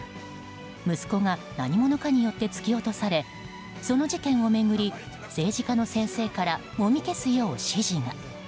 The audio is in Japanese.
息子が何者かによって突き落とされその事件を巡り政治家の先生からもみ消すよう指示が。